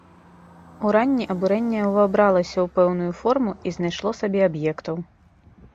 Уранні абурэнне ўвабралася ў пэўную форму і знайшло сабе аб'ектаў.